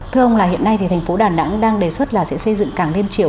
thưa ông là hiện nay thì thành phố đà nẵng đang đề xuất là sẽ xây dựng cảng liên triều